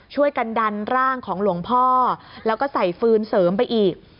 ช่วยกันดันร่างของหลวงพ่อแล้วก็ใส่ฟืนเสริมไปอีก